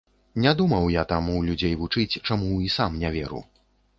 Не думаў я таму людзей вучыць, чаму і сам не веру.